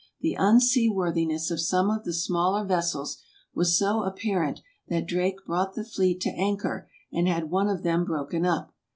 The unseaworthiness of some of the smaller vessels was so apparent that Drake brought the fleet to anchor, and had one of them broken up.